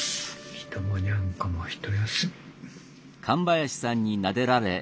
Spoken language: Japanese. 人もにゃんこも一休み。